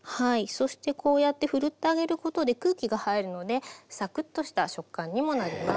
そしてこうやってふるってあげることで空気が入るのでサクッとした食感にもなります。